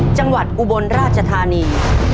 จังหวัดอุบลราชธานี